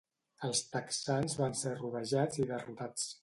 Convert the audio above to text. Els texans van ser rodejats i derrotats.